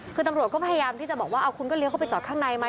คือตำรวจก็พยายามที่จะบอกว่าเอาคุณก็เลี้ยเข้าไปจอดข้างในไหม